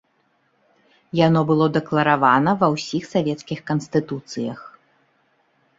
Яно было дэкларавана ва ўсіх савецкіх канстытуцыях.